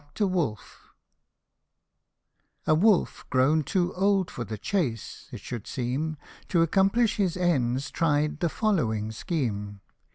FABLE LVIL A WOLF, grown too old for the chase, it should seem, To accomplish his ends tried the following scheme.